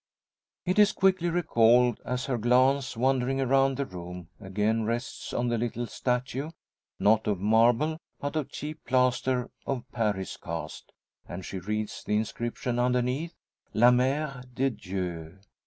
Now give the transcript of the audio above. It is quickly recalled, as her glance, wandering around the room, again rests on the little statue not of marble, but a cheap plaster of Paris cast and she reads the inscription underneath, "La Mere de Dieu."